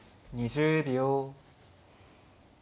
２０秒。